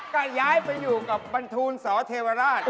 ก็ย้ายไปอยู่กับบรรทูลสเทวราช